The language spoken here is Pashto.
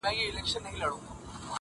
دا به ولاړ وي د زمان به توپانونه راځي،